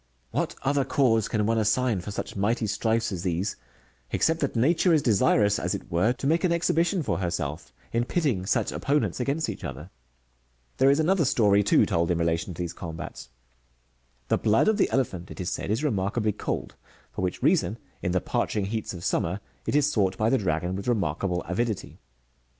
"Wliat other cause can one assign for such mighty strifes as these, except that Xature is desirous, as it were, to make an exhibition for herself, in pitting such opponents against each other r There is another story, too, told in relation to these combats — the blood of the elephant, it is said, is remarkably cold ; for which reason, in the parching heats of summer,'^ it is sought by the dragon with remarkable avidity.